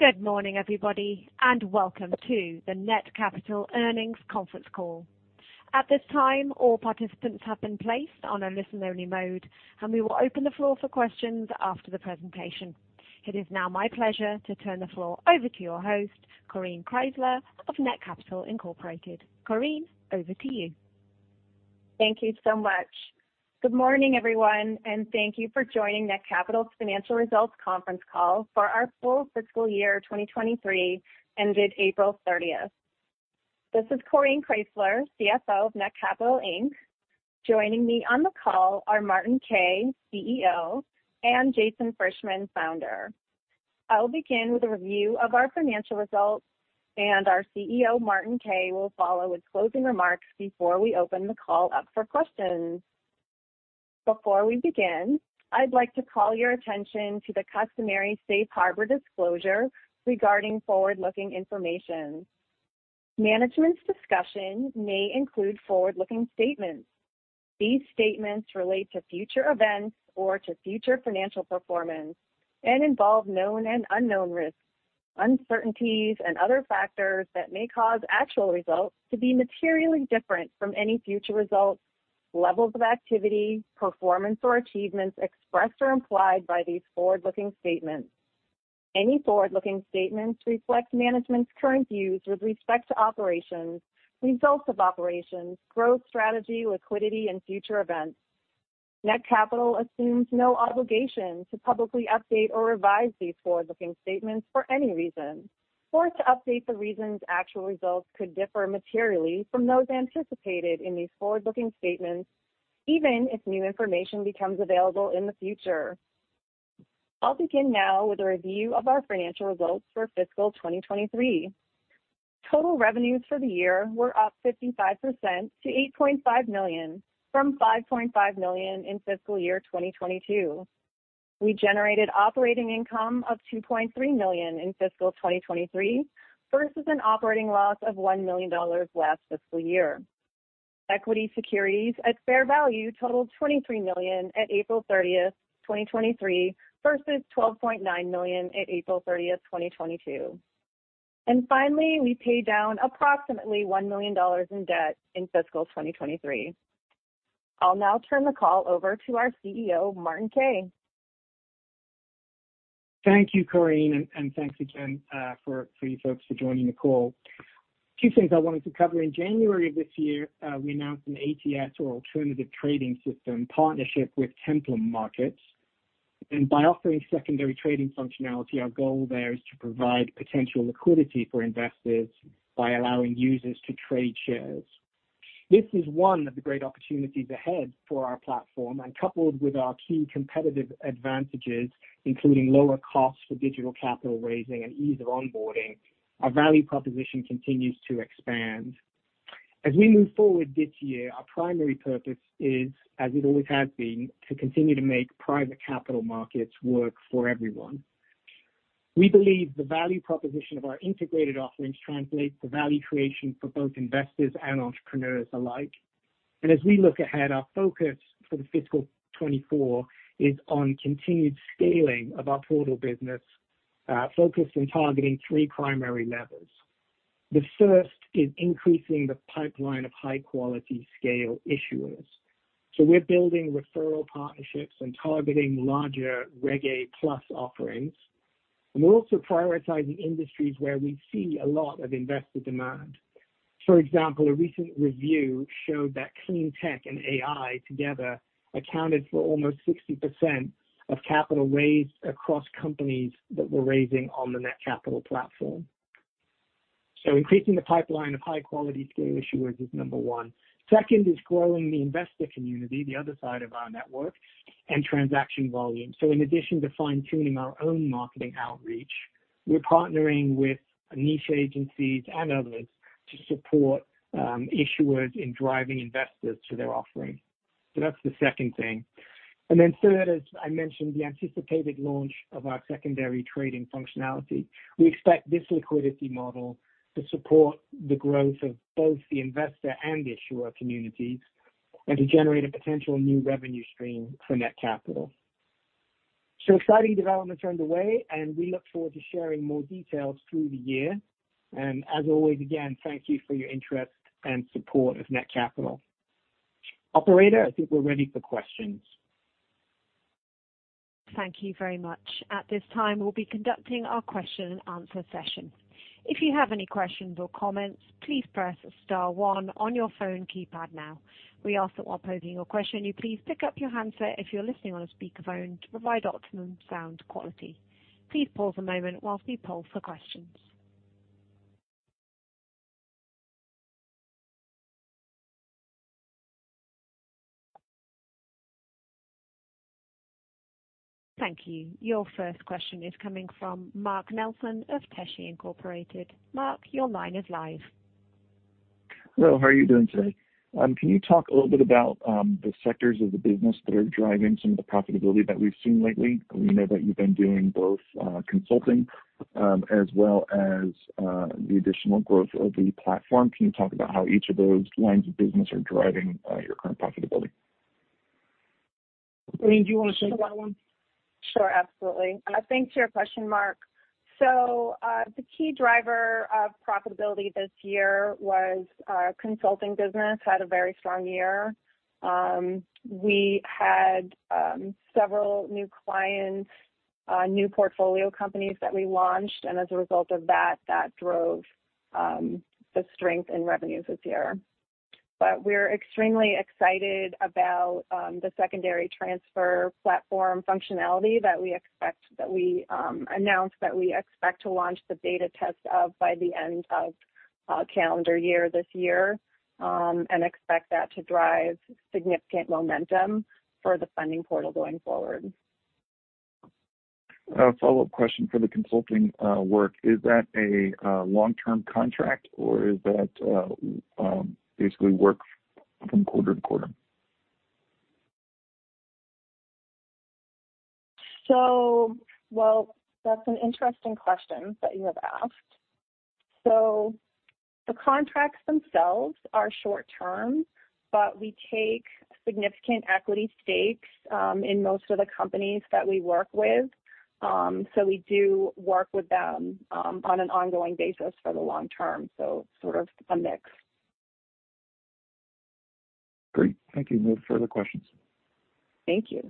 Good morning, everybody, and welcome to the Netcapital Earnings Conference Call. At this time, all participants have been placed on a listen-only mode, and we will open the floor for questions after the presentation. It is now my pleasure to turn the floor over to your host, Coreen Kraysler of Netcapital Inc.. Coreen, over to you. Thank you so much. Good morning, everyone, and thank you for joining Netcapital's financial results conference call for our full fiscal year 2023, ended April 30th. This is Coreen Kraysler, CFO of Netcapital Inc. Joining me on the call are Martin Kay, CEO, and Jason Frishman, Founder. I will begin with a review of our financial results, and our CEO, Martin Kay, will follow with closing remarks before we open the call up for questions. Before we begin, I'd like to call your attention to the customary safe harbor disclosure regarding forward-looking information. Management's discussion may include forward-looking statements. These statements relate to future events or to future financial performance and involve known and unknown risks, uncertainties, and other factors that may cause actual results to be materially different from any future results, levels of activity, performance, or achievements expressed or implied by these forward-looking statements. Any forward-looking statements reflect management's current views with respect to operations, results of operations, growth, strategy, liquidity, and future events. Netcapital assumes no obligation to publicly update or revise these forward-looking statements for any reason, or to update the reasons actual results could differ materially from those anticipated in these forward-looking statements, even if new information becomes available in the future. I'll begin now with a review of our financial results for fiscal 2023. Total revenues for the year were up 55% to $8.5 million, from $5.5 million in fiscal year 2022. We generated operating income of $2.3 million in fiscal 2023, versus an operating loss of $1 million last fiscal year. Equity securities at fair value totaled $23 million at April 30, 2023, versus $12.9 million at April 30, 2022. Finally, we paid down approximately $1 million in debt in fiscal 2023. I'll now turn the call over to our CEO, Martin Kay. Thank you, Coreen, thanks again for you folks for joining the call. Two things I wanted to cover. In January of this year, we announced an ATS, or Alternative Trading System, partnership with Templum Markets, and by offering secondary trading functionality, our goal there is to provide potential liquidity for investors by allowing users to trade shares. This is one of the great opportunities ahead for our platform, and coupled with our key competitive advantages, including lower costs for digital capital raising and ease of onboarding, our value proposition continues to expand. As we move forward this year, our primary purpose is, as it always has been, to continue to make private capital markets work for everyone. We believe the value proposition of our integrated offerings translates to value creation for both investors and entrepreneurs alike. As we look ahead, our focus for the fiscal 2024 is on continued scaling of our portal business, focused on targeting three primary levers. The first is increasing the pipeline of high-quality scale issuers. We're building referral partnerships and targeting larger Reg A+ offerings, and we're also prioritizing industries where we see a lot of investor demand. For example, a recent review showed that clean tech and AI together accounted for almost 60% of capital raised across companies that were raising on the Netcapital platform. Increasing the pipeline of high-quality scale issuers is number one. Second is growing the investor community, the other side of our network, and transaction volume. In addition to fine-tuning our own marketing outreach, we're partnering with niche agencies and others to support issuers in driving investors to their offerings. That's the second thing. Then third, as I mentioned, the anticipated launch of our secondary trading functionality. We expect this liquidity model to support the growth of both the investor and the issuer communities and to generate a potential new revenue stream for Netcapital. Exciting developments are underway, and we look forward to sharing more details through the year. As always, again, thank you for your interest and support of Netcapital. Operator, I think we're ready for questions. Thank you very much. At this time, we'll be conducting our question and answer session. If you have any questions or comments, please press star one on your phone keypad now. We ask that while posing your question, you please pick up your handset if you're listening on a speakerphone to provide optimum sound quality. Please pause a moment while we poll for questions. Thank you. Your first question is coming from Mark Nelson of Tesche Incorporated. Mark, your line is live. Hello, how are you doing today? Can you talk a little bit about the sectors of the business that are driving some of the profitability that we've seen lately? We know that you've been doing both consulting as well as the additional growth of the platform. Can you talk about how each of those lines of business are driving your current profitability? Coreen, do you want to take that one? Sure, absolutely. Thanks for your question, Mark. The key driver of profitability this year was our consulting business had a very strong year. We had several new clients, new portfolio companies that we launched, and as a result of that, that drove the strength in revenues this year. We're extremely excited about the secondary transfer platform functionality that we expect, that we announced that we expect to launch the beta test of by the end of calendar year this year, and expect that to drive significant momentum for the funding portal going forward. A follow-up question for the consulting work, is that a long-term contract, or is that basically work from quarter to quarter? Well, that's an interesting question that you have asked. The contracts themselves are short term, but we take significant equity stakes in most of the companies that we work with. We do work with them on an ongoing basis for the long term. Sort of a mix. Great. Thank you. No further questions. Thank you.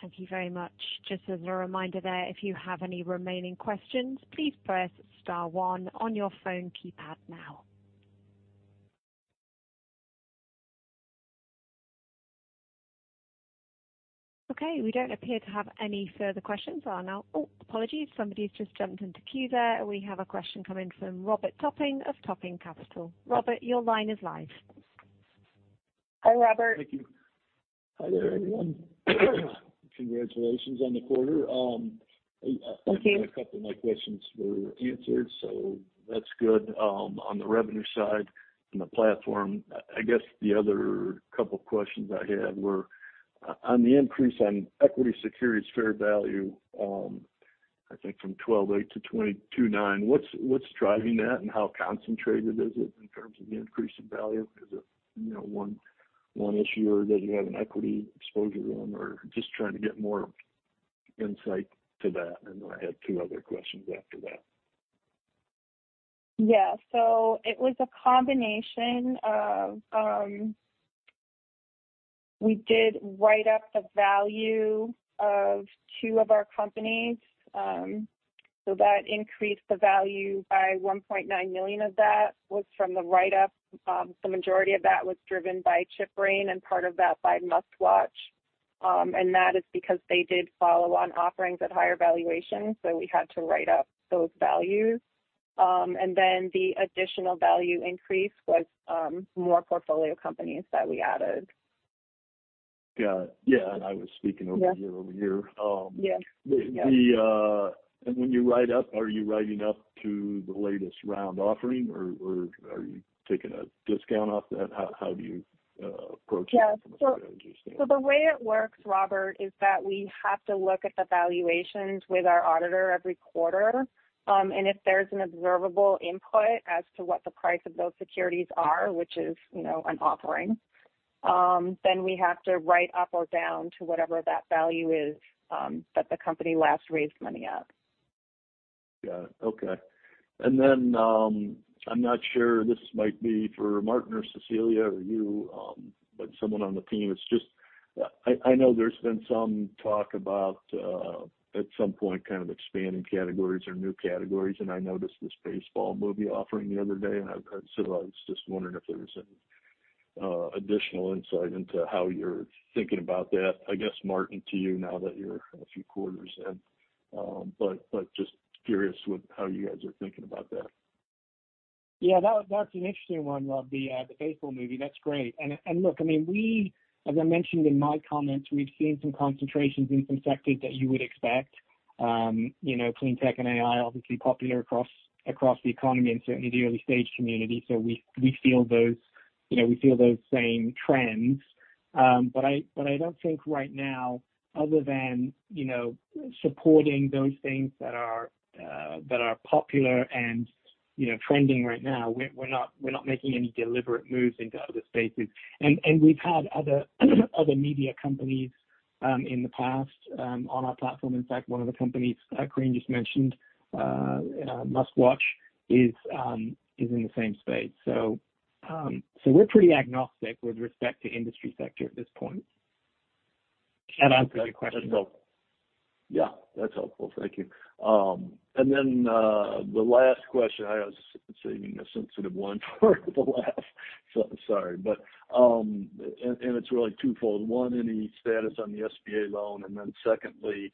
Thank you very much. Just as a reminder there, if you have any remaining questions, please press star one on your phone keypad now. Okay, we don't appear to have any further questions. I'll now. Oh, apologies. Somebody has just jumped into queue there. We have a question coming from Robert Topping of Topping Capital. Robert, your line is live. Hi, Robert. Thank you. Hi there, everyone. Congratulations on the quarter. Thank you. I think a couple of my questions were answered, so that's good, on the revenue side and the platform. I guess the other couple of questions I had were, on the increase on equity securities fair value, I think from $12.8-$22.9. What's driving that, and how concentrated is it in terms of the increase in value? Is it, you know, one issuer that you have an equity exposure on, or just trying to get more insight to that? I have two other questions after that. Yeah. It was a combination of, we did write up the value of two of our companies, so that increased the value by $1.9 million of that was from the write-up. The majority of that was driven by ChipBrain and part of that by MustWatch. That is because they did follow-on offerings at higher valuations, so we had to write up those values. Then the additional value increase was more portfolio companies that we added. Got it. Yeah, I was speaking over you- Yeah. over you. Yes. When you write up, are you writing up to the latest round offering, or are you taking a discount off that? How do you approach it? Yeah. I understand. The way it works, Robert, is that we have to look at the valuations with our auditor every quarter. And if there's an observable input as to what the price of those securities are, which is, you know, an offering, then we have to write up or down to whatever that value is, that the company last raised money at. Yeah. Okay. Then, I'm not sure this might be for Martin or Cecilia or you, but someone on the team, it's just, I know there's been some talk about, at some point, kind of expanding categories or new categories. I noticed this baseball movie offering the other day, and I was just wondering if there was any additional insight into how you're thinking about that. I guess, Martin, to you now that you're a few quarters in, just curious with how you guys are thinking about that. Yeah, that, that's an interesting one, Rob, the baseball movie. That's great. Look, I mean, we, as I mentioned in my comments, we've seen some concentrations in some sectors that you would expect. You know, Clean tech and AI, obviously popular across the economy and certainly the early stage community. We feel those, you know, we feel those same trends. But I don't think right now, other than, you know, supporting those things that are popular and, you know, trending right now, we're not making any deliberate moves into other spaces. We've had other media companies in the past on our platform. In fact, one of the companies Coreen just mentioned, MustWatch, is in the same space. We're pretty agnostic with respect to industry sector at this point. Can I answer any questions? Yeah, that's helpful. Thank you. The last question I was saving a sensitive one for the last, so sorry. It's really twofold. One, any status on the SBA loan. Secondly,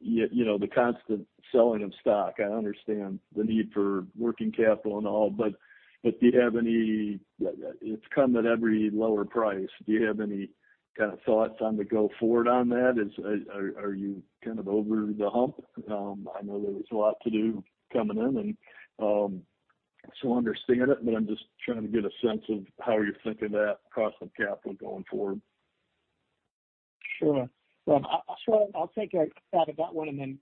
you know, the constant selling of stock. I understand the need for working capital and all, but do you have any. It's come at every lower price. Do you have any kind of thoughts on the go forward on that? Are you kind of over the hump? I know there was a lot to do coming in, and I understand it, but I'm just trying to get a sense of how you're thinking that across the capital going forward. Sure. Well, I'll take a stab at that one, then,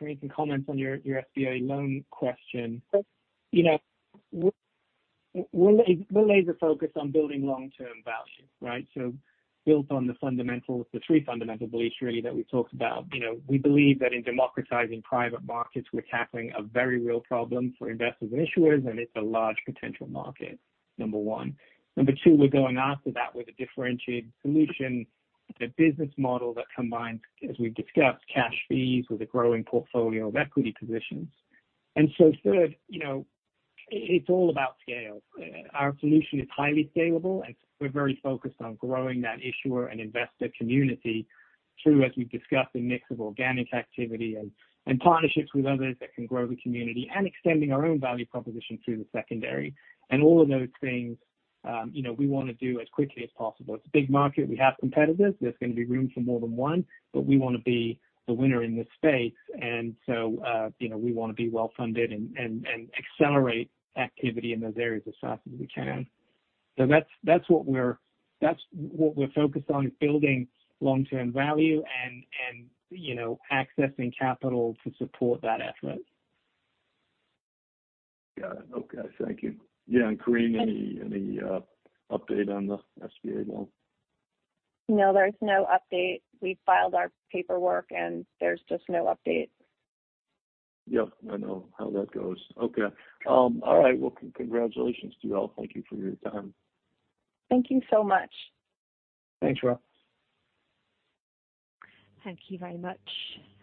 Coreen, some comments on your SBA loan question. You know, we're laser focused on building long-term value, right? Built on the fundamentals, the three fundamental beliefs really that we've talked about. You know, we believe that in democratizing private markets, we're tackling a very real problem for investors and issuers, and it's a large potential market, number one. Number two, we're going after that with a differentiated solution, a business model that combines, as we've discussed, cash fees with a growing portfolio of equity positions. Third, you know, it's all about scale. Our solution is highly scalable, and we're very focused on growing that issuer and investor community through, as we've discussed, a mix of organic activity and partnerships with others that can grow the community and extending our own value proposition through the secondary. All of those things, you know, we wanna do as quickly as possible. It's a big market. We have competitors. There's gonna be room for more than one, but we wanna be the winner in this space. You know, we wanna be well-funded and accelerate activity in those areas as fast as we can. That's what we're focused on, is building long-term value and, you know, accessing capital to support that effort. Got it. Okay, thank you. Yeah, Coreen, any update on the SBA loan? No, there's no update. We've filed our paperwork, and there's just no update. Yep. I know how that goes. Okay. All right, well, congratulations to you all. Thank you for your time. Thank you so much. Thanks, Rob. Thank you very much.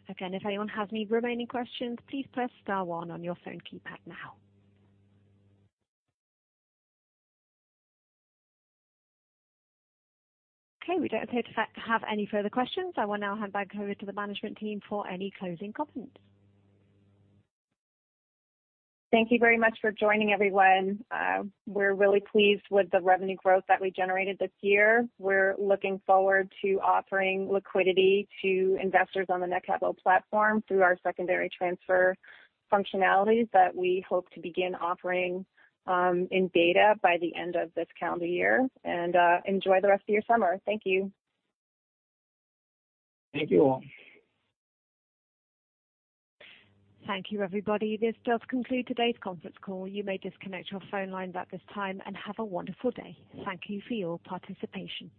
Again, if anyone has any remaining questions, please press star one on your phone keypad now. Okay, we don't appear to have any further questions. I will now hand back over to the management team for any closing comments. Thank you very much for joining, everyone. We're really pleased with the revenue growth that we generated this year. We're looking forward to offering liquidity to investors on the Netcapital platform through our secondary transfer functionalities that we hope to begin offering in beta by the end of this calendar year. Enjoy the rest of your summer. Thank you. Thank you all. Thank you, everybody. This does conclude today's conference call. You may disconnect your phone lines at this time, and have a wonderful day. Thank you for your participation.